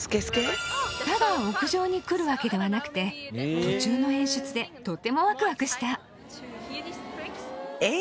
ただ屋上に来るわけではなくて途中の演出でとってもワクワクした。